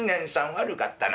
悪かったな。